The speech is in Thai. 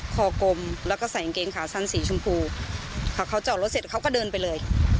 กลมแล้วก็ใส่กางเกงขาสั้นสีชมพูค่ะเขาจอดรถเสร็จเขาก็เดินไปเลย